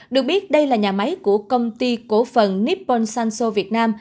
được biết đây là nhà máy của công ty cổ phần nippon sanso việt nam